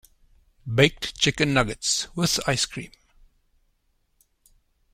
Baked chicken nuggets, with ice cream.